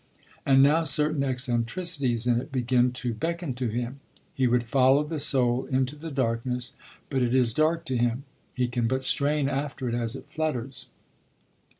And now certain eccentricities in it begin to beckon to him; he would follow the soul into the darkness, but it is dark to him; he can but strain after it as it flutters.